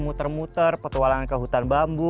muter muter petualangan ke hutan bambu